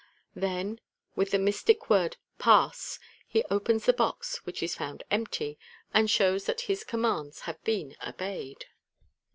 Then, with the mystic word " Pass !" he opens the box, which is found empty, and shows that his commands have been obeyed.